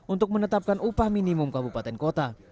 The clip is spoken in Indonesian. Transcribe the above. untuk menetapkan upah minimum kabupaten kota